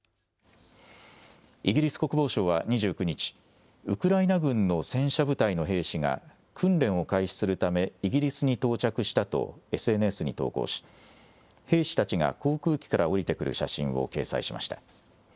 イギリス国防省は２９日、ウクライナ軍の戦車部隊の兵士が、訓練を開始するため、イギリスに到着したとＳＮＳに投稿し、兵士たちが航空機から降りてくる写真を掲載しました。